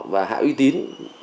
và hạ uy tín